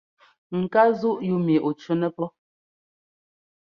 Ŋ ká zúʼ yúu mi ɔ cúnɛ pɔ́.